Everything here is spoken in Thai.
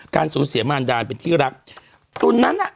การศูนย์เสียมารดาลเป็นที่รักตรงนั้นอ่ะ